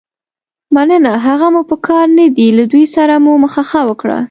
مننه، هغه مو په کار نه دي، له دوی سره مو مخه ښه وکړه.